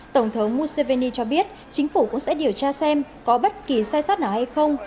tổng thống musseveni cho biết chính phủ cũng sẽ điều tra xem có bất kỳ sai sót nào hay không